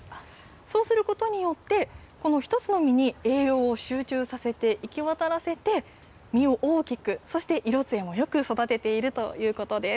そうすることによって、この１つの実に栄養を集中させて、行き渡らせて、実を大きく、そして色つやもよく育てているということです。